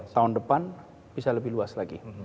tahun depan bisa lebih luas lagi